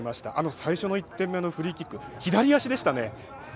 最初の１点目のフリーキック左足でしたね。